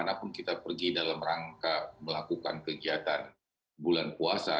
bagaimanapun kita pergi dalam rangka melakukan kegiatan bulan puasa